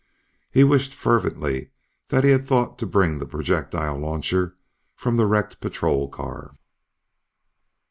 He wished fervently that he had thought to bring the projectile launcher from the wrecked patrol car.